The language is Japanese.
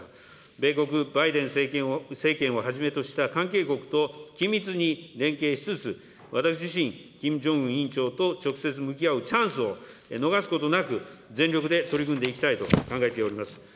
米国、バイデン政権をはじめとした関係国と緊密に連携しつつ、私自身、キム・ジョンウン委員長と直接向き合うチャンスを逃すことなく、全力で取り組んでいきたいと考えております。